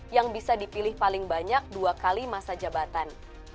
yang bisa dipilih paling banyak dua kali masa jabatan